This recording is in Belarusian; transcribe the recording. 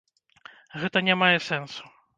Гэта не мае сэнсу.